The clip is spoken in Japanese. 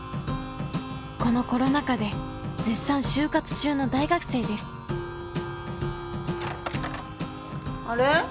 このコロナ禍で絶賛就活中の大学生ですあれ？